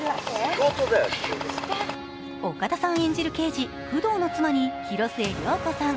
岡田さん演じる刑事・工藤の妻に広末涼子さん。